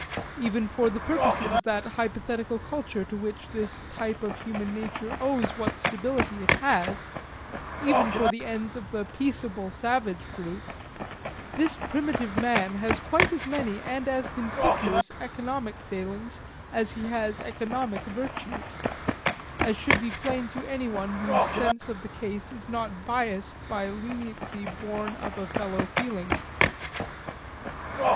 Even for the purposes of that hypothetical culture to which his type of human nature owes what stability it has even for the ends of the peaceable savage group this primitive man has quite as many and as conspicuous economic failings as he has economic virtues as should be plain to any one whose sense of the case is not biased by leniency born of a fellow feeling.